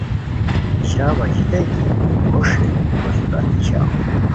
ژاؤ اژیتائے کی بو ݰیلی بو صورتی ژاؤ